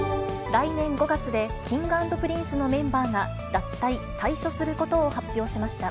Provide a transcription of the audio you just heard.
来年５月でＫｉｎｇ＆Ｐｒｉｎｃｅのメンバーが、脱退、退所することを発表しました。